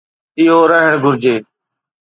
اهو رهڻ گهرجي.